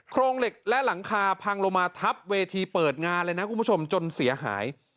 โครงเหล็กและหลังคาพังลงมาทับเวทีเปิดงานเลยนะคุณผู้ชมจนเสียหาย